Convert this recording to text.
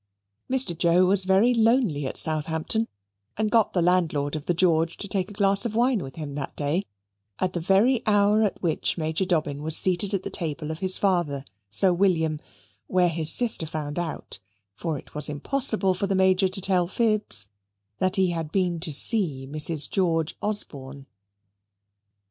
Mr. Joe was very lonely at Southampton, and got the landlord of the George to take a glass of wine with him that day, at the very hour at which Major Dobbin was seated at the table of his father, Sir William, where his sister found out (for it was impossible for the Major to tell fibs) that he had been to see Mrs. George Osborne.